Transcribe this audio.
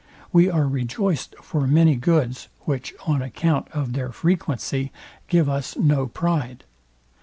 We are rejoiced for many goods, which, on account of their frequency, give us no pride.